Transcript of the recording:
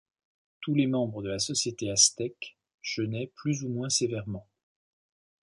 Tous les membres de la société aztèque jeûnaient plus ou moins sévèrement.